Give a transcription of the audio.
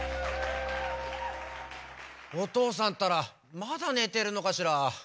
おとうさんったらまだねてるのかしら？